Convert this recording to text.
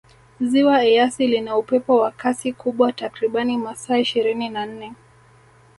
ziwa eyasi lina upepo wa Kasi kubwa takribani masaa ishirini na nne